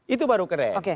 itu baru keren